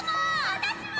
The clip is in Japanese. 私も！